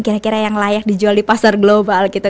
kira kira yang layak dijual di pasar global gitu